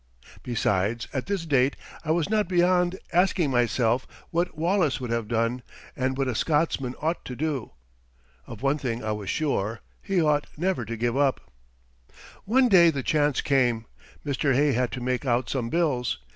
Besides, at this date I was not beyond asking myself what Wallace would have done and what a Scotsman ought to do. Of one thing I was sure, he ought never to give up. One day the chance came. Mr. Hay had to make out some bills.